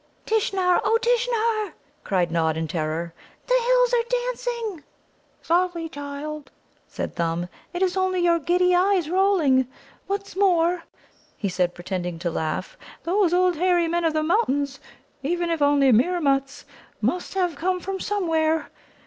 "Tishnar, O Tishnar," cried Nod in terror, "the hills are dancing." "Softly, softly, child!" said Thumb. "It is only your giddy eyes rolling. What's more," he said, pretending to laugh, "those old hairy Men of the Mountains, even if only Meermuts, must have come from somewhere.